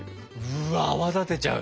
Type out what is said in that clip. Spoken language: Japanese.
うわっ泡立てちゃう。